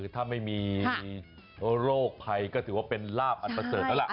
ถ้าไม่มีโรคภัยก็ถือว่าเป็นลาบอันประเสริฐแล้วล่ะ